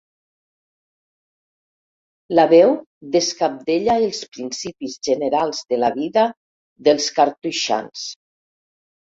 La veu descabdella els principis generals de la vida dels cartoixans.